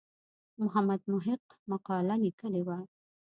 محمد محق مقاله لیکلې وه.